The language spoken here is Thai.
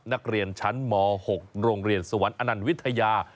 นักเรียนชั้นม๖โรงเรียนสวรรค์อนันต์วิทยา